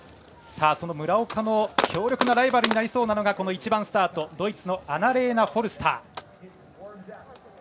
その村岡の強力なライバルになりそうなのがドイツのアナレーナ・フォルスター。